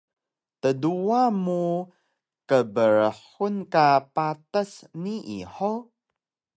Tduwa mu kbrxun ka patas nii hug?